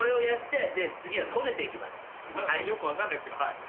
よく分かんないですけどはい。